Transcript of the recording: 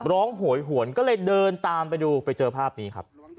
โหยหวนก็เลยเดินตามไปดูไปเจอภาพนี้ครับ